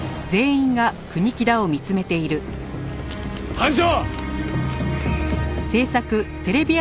班長！